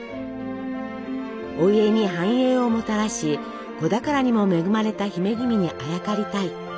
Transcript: お家に繁栄をもたらし子宝にも恵まれた姫君にあやかりたい。